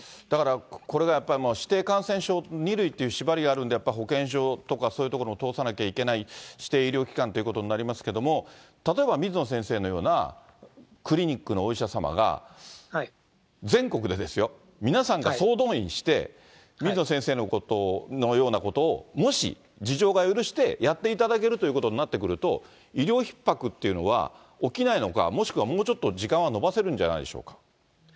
だからこれがやっぱり、指定感染症２類っていう縛りがあるんで、やっぱり保健所とかそういう所を通さなきゃいけない、指定医療機関ということになりますけれども、例えば水野先生のようなクリニックのお医者様が、全国でですよ、皆さんが総動員して、水野先生のことのようなことをもし事情が許してやっていただけるということになってくると、医療ひっ迫っていうのは起きないのか、もしくはもうちょっと時間は延ばせるんじゃないでしょうか。